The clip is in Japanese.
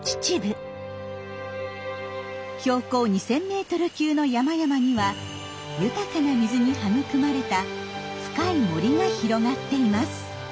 標高２，０００メートル級の山々には豊かな水に育まれた深い森が広がっています。